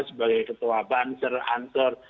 sebagai ketua banser ansor